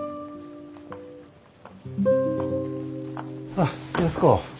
あっ安子。